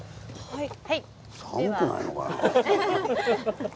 はい。